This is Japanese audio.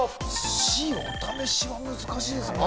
Ｃのお試しは難しいですね。